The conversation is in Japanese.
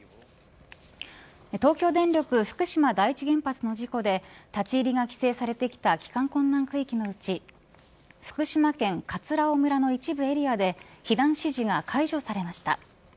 東京電力福島第一原発の事故で立ち入りが規制されてきた帰宅困難区域のうち福島県葛尾村の一部エリアで避難指示が解除されました。